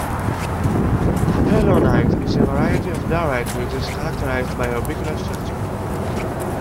Napoleonite is a variety of diorite which is characterized by orbicular structure.